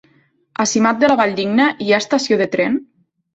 A Simat de la Valldigna hi ha estació de tren?